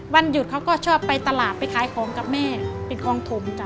วันหยุดเขาก็ค่อยไปตลาดขายของแม่เป็นคลองธม